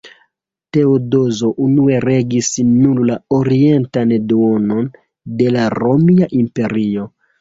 Teodozo unue regis nur la orientan duonon de la romia imperio.